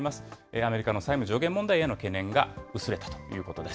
アメリカの債務上限問題への懸念が薄れたということです。